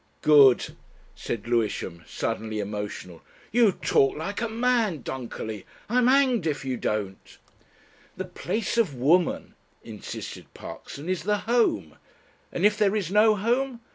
"Good!" said Lewisham, suddenly emotional. "You talk like a man, Dunkerley. I'm hanged if you don't." "The place of Woman," insisted Parkson, "is the Home. And if there is no home